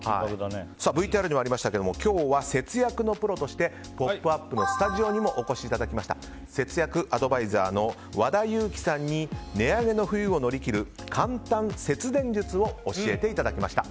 ＶＴＲにもありましたが今日は節約のプロとして「ポップＵＰ！」のスタジオにもお越しいただきました節約アドバイザーの和田由貴さんに値上げの冬を乗り切る簡単節電術を教えていただきました。